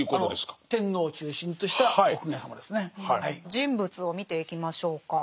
人物を見ていきましょうか。